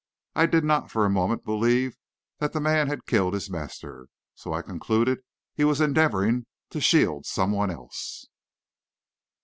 I did not for a moment believe that the man had killed his master, so I concluded he was endeavoring to shield someone else.